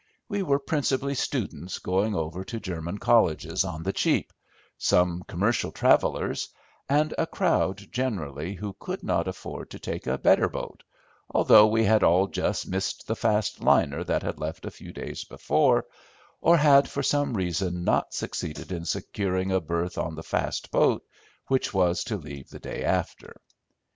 We were principally students going over to German colleges on the cheap, some commercial travellers, and a crowd generally who could not afford to take a better boat, although we had all just missed the fast liner that had left a few days before, or had for some reason not succeeded in securing a berth on the fast boat, which was to leave the day after.